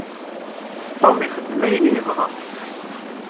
Tom ixeddem ayen yebɣa.